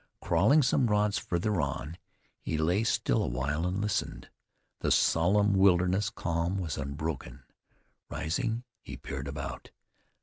Crawling some rods farther on, he lay still a while and listened. The solemn wilderness calm was unbroken. Rising, he peered about.